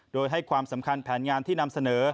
โดยให้ความสำคัญแผนงานที่นำเสนอ